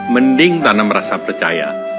mending tanam rasa percaya